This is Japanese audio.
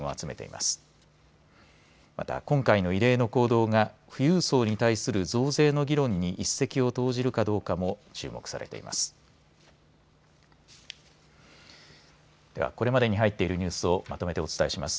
また今回の異例の行動が富裕層に対する増税の議論に一石を投じるかどうかも注目されています。